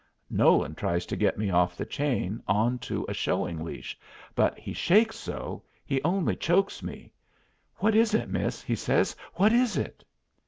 Nolan tries to get me off the chain on to a showing leash, but he shakes so, he only chokes me. "What is it, miss?" he says. "What is it?"